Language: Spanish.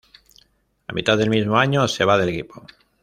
A mitad del mismo año se va del equipo.